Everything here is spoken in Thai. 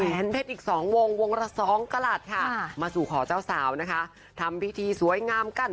แหวนเพชรอีก๒วงวงละ๒กลัดมาสู่ขอเจ้าสาวทำพิธีสวยงามกัน